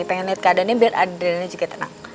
pengen lihat keadaannya biar adrilnya juga tenang